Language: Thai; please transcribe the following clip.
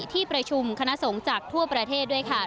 ที่ประชุมคณะสงฆ์จากทั่วประเทศด้วยค่ะ